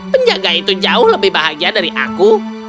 penjaga itu jauh lebih bahagia dari aku